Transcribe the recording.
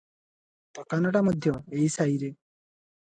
ଦୋକାନଟା ମଧ୍ୟ ଏଇ ସାଇରେ ।